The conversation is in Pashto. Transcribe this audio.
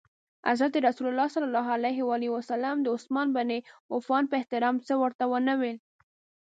حضرت رسول ص د عثمان بن عفان په احترام څه ورته ونه ویل.